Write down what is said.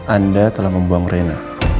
anda telah membuang reina